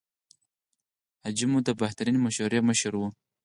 حاجي مو د بهترینې مشورې مشر و.